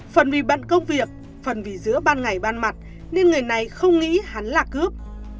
phần vì bận công việc phần vì giữa ban ngày ban mặt nên người này không nghĩ hắn là cướp